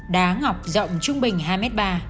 đá ngọc rộng trung bình hai m ba